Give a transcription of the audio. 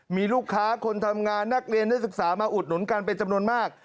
มีลูกค้าคนทำงานนักเรียนนักศึกษามาอุดหนุนกันเป็นจำนวนมาก